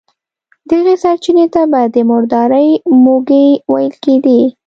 دغې سرچينې ته به د مردارۍ موږی ويل کېدی.